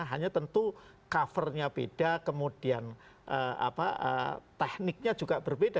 hanya tentu covernya beda kemudian tekniknya juga berbeda